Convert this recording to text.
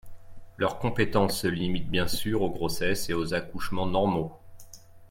Leur compétence se limite, bien sûr, aux grossesses et aux accouchements normaux.